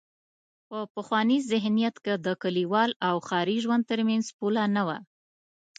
په پخواني ذهنیت کې د کلیوال او ښاري ژوند تر منځ پوله نه وه.